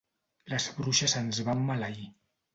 Les bruixes ens van maleir.